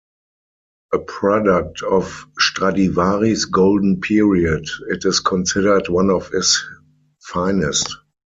A product of Stradivari's golden period, it is considered one of his finest.